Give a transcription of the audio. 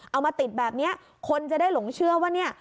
เอามาติดแบบนี้คนจะได้หลงเชื่อว่าเนี่ย